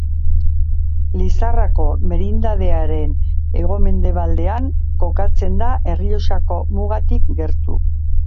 Lizarrako merindadearen hego-mendebaldean kokatzen da Errioxako mugatik gertu.